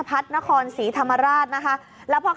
ก็ไม่มีอำนาจ